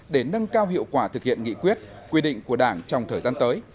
để nâng cao hiệu quả thực hiện nghị quyết quy định của đảng trong thời gian tới